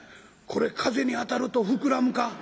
これ風に当たると膨らむか？」。